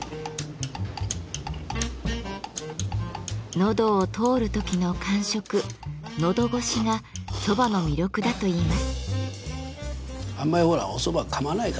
のどを通る時の感触「のどごし」が蕎麦の魅力だといいます。